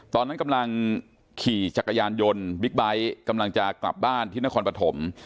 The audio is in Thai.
ตอนนั้นกำลังขี่จักรยานยนต์บิ๊กไบท์กำลังจะกลับบ้านที่นครปฐม